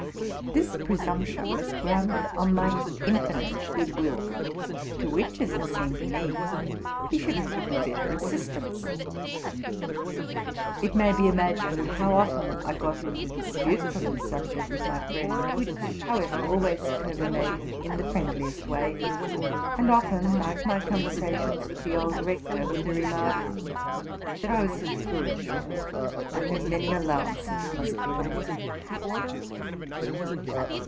This presumption was grounded on my infinite good will, to which, as it seemed to me, he should have given better assistance. It may be imagined how often I got into disputes on this subject with my friend, which, however, always terminated in the friendliest way and often, like my conversations with the old rector, with the remark, '' that I was a foolish fellow, for whom many allowances must be made."